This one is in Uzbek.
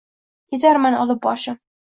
Ketarman olib boshim!